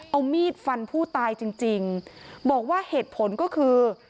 เอามีดฟันผู้ตายจริงจริงบอกว่าเหตุผลก็คือ